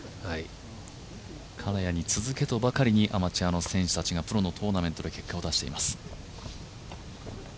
金谷に続けとばかりにアマチュアの選手たちがプロのトーナメントで結果を出しています。